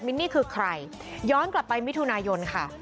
นี่คือใครย้อนกลับไปมิถุนายนค่ะ